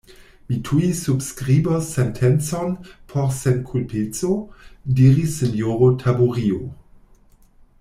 Mi tuj subskribos sentencon por senkulpeco, diris sinjoro Taburio.